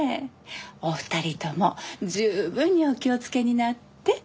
お二人とも十分にお気をつけになって。